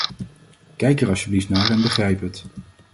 Kijk er alsjeblieft naar en begrijp het.